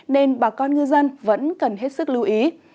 nên bà con ngư dân vẫn cần hết sức lưu ý